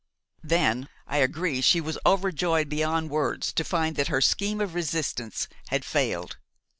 Then, I agree, she was overjoyed beyond words to find that her scheme of resistance had failed.